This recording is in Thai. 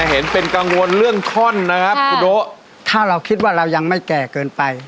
เห็นเป็นกังวลเรื่องท่อนนะครับคุณโอ๊ถ้าเราคิดว่าเรายังไม่แก่เกินไป